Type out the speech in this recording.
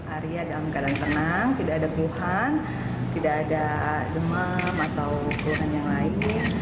arya dalam keadaan tenang tidak ada keluhan tidak ada demam atau keluhan yang lain